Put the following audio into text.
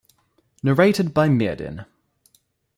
Narrated by Myrddin.